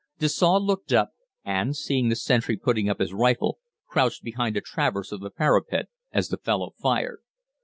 Dessaux looked up and, seeing the sentry putting up his rifle, crouched behind a traverse of the parapet as the fellow fired.